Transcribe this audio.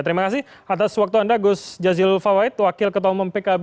terima kasih atas waktu anda gus jazil fawait wakil ketua umum pkb